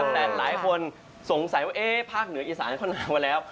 แต่หลายคนสงสัยว่าภาคเหนืออีสานเขาหนาวมาแล้ว